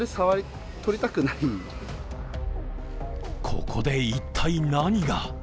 ここで一体何が？